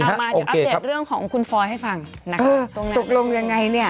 เอามาอัพเดตเรื่องของคุณฟอยให้ฟังตรงไหนตรงไหนตรงลงยังไงเนี่ย